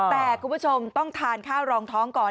แต่คุณผู้ชมต้องทานข้าวรองท้องก่อน